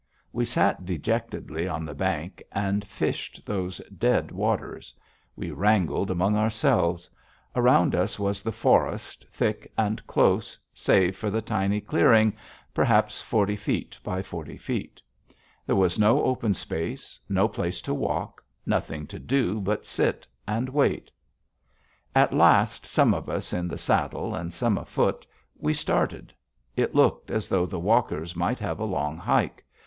We sat dejectedly on the bank and fished those dead waters. We wrangled among ourselves. Around us was the forest, thick and close save for the tiny clearing, perhaps forty feet by forty feet. There was no open space, no place to walk, nothing to do but sit and wait. At last, some of us in the saddle and some afoot, we started. It looked as though the walkers might have a long hike.